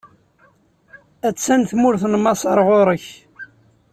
A-tt-an tmurt n Maṣer ɣur-k.